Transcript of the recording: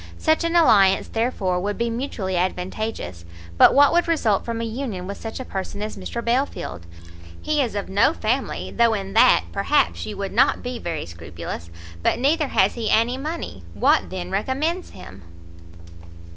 Such an alliance, therefore, would be mutually advantageous: but what would result from a union with such a person as Mr Belfield? he is of no family, though in that, perhaps, you would not be very scrupulous; but neither has he any money; what, then, recommends him?"